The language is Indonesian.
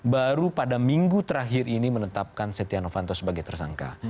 baru pada minggu terakhir ini menetapkan setia novanto sebagai tersangka